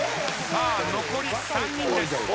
さあ残り３人です。